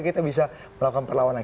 kita bisa melakukan perlawanan